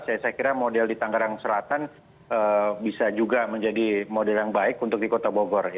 saya kira model di tangerang selatan bisa juga menjadi model yang baik untuk di kota bogor